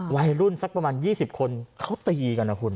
วัยรุ่นสักประมาณ๒๐คนเขาตีกันนะคุณ